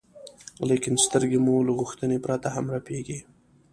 لیکن سترګې مو له غوښتنې پرته هم رپېږي.